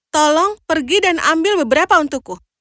tolong pergi dan ambil beberapa untukku